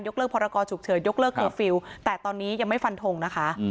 เลิกพรกรฉุกเฉินยกเลิกเคอร์ฟิลล์แต่ตอนนี้ยังไม่ฟันทงนะคะ